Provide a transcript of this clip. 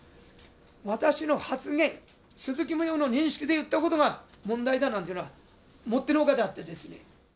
私の発言、鈴木宗男の認識で言ったことが問題だなんていうのはもってのほかであってですね。